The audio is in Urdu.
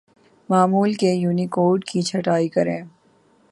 معمول کے یونیکوڈ کی چھٹائی کریں